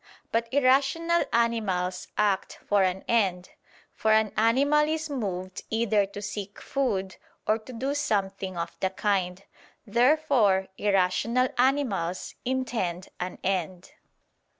But irrational animals act for an end; for an animal is moved either to seek food, or to do something of the kind. Therefore irrational animals intend an end.